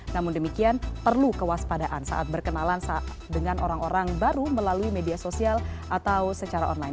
namun demikian perlu kewaspadaan saat berkenalan dengan orang orang baru melalui media sosial atau secara online